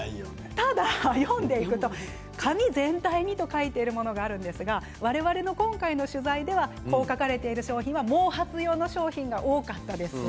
ただ読んでいると髪全体にと書いてあるものがあるんですが我々の今回の取材ではこう書かれている商品は毛髪用の商品が多かったです。